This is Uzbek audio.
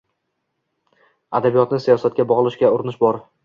Adabiyotni siyosatga bog‘lashga urinish bor.